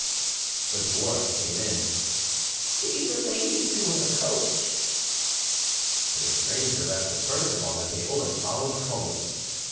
The dwarf came in. "See the lady to her coach." The stranger left a purse upon the table, and followed Comus.